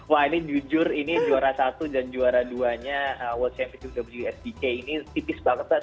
wah ini jujur ini juara satu dan juara duanya world championship wsdk ini tipis banget lah